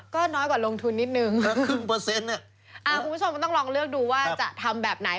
ก็น้อยกว่าลงทุนนิดหนึ่งคุณผู้ชมต้องลองเลือกดูว่าจะทำแบบไหน